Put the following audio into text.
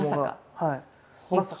はい。